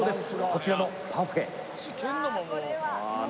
こちらのパフェああ